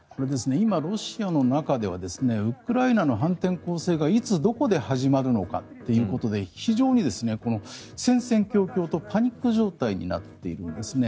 今、ロシアの中ではウクライナの反転攻勢がいつ、どこで始まるのかということで非常に戦々恐々とパニック状態になっているんですね。